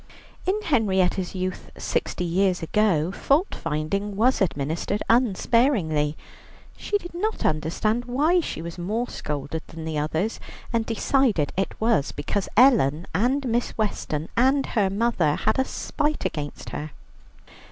In Henrietta's youth, sixty years ago, fault finding was administered unsparingly. She did not understand why she was more scolded than the others, and decided that it was because Ellen and Miss Weston and her mother had a spite against her.